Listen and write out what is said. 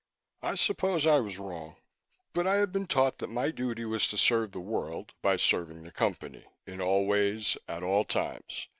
I suppose I was wrong, but I had been taught that my duty was to serve the world, by serving the Company, in all ways at all times.